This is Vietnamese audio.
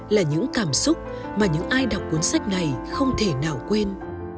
là những cảm xúc mà những ai đọc cuốn sách này không thể nào quên